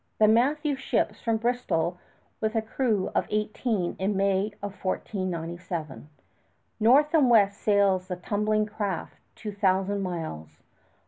The Matthew ships from Bristol with a crew of eighteen in May of 1497. North and west sails the tumbling craft two thousand miles.